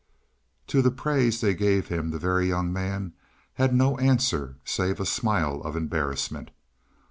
To the praise they gave him the Very Young Man had no answer save a smile of embarrassment.